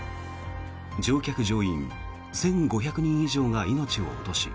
乗客・乗員１５００人以上が命を落とし